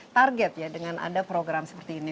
target ya dengan ada program seperti ini